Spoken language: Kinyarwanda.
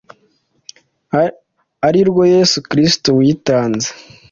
ari rwo Yesu Kristo witanze